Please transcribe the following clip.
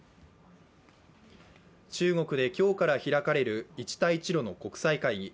中国で今日から開かれる一帯一路の国際会議。